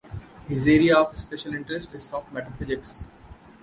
His area of special interest is soft matter physics.